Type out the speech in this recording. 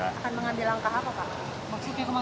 akan mengambil langkah apa pak